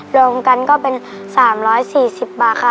รวมกันก็เป็น๓๔๐บาทค่ะ